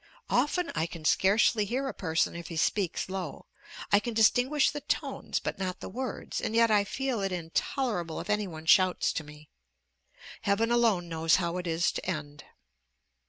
Often I can scarcely hear a person if he speaks low; I can distinguish the tones but not the words, and yet I feel it intolerable if any one shouts to me. Heaven alone knows how it is to end!